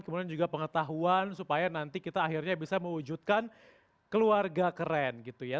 kemudian juga pengetahuan supaya nanti kita akhirnya bisa mewujudkan keluarga keren gitu ya